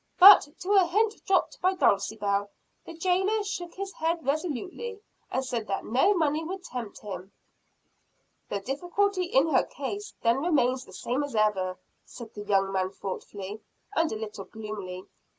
"But, to a hint dropped by Dulcibel, the jailer shook his head resolutely, and said that no money would tempt him." "The difficulty in her case then remains the same as ever," said the young man thoughtfully, and a little gloomily.